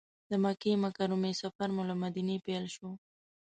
د مکې مکرمې سفر مو له مدینې پیل شو.